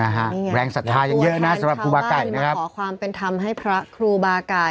แหลงศรัทธาอย่างเยอะนะสำหรับครูบาไก่นะครับตัวแทนชาวบ้านมาขอความเป็นธรรมให้พระครูบาไก่